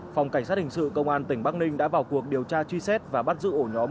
phòng cảnh sát hình sự công an tỉnh bắc ninh đã vào cuộc điều tra truy xét và bắt giữ ổ nhóm